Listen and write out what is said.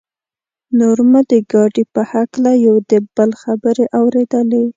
نور مو د ګاډي په هکله یو د بل خبرې اورېدلې.